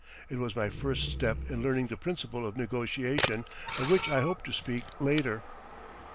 It was my first step in learning the principle of negotiation, of which I hope to speak later.